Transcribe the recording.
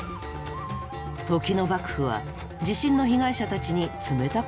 時の幕府は地震の被害者たちに冷たかったんだそう。